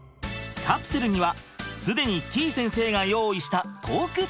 カプセルには既にてぃ先生が用意したトークテーマが！